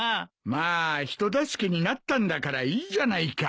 まあ人助けになったんだからいいじゃないか。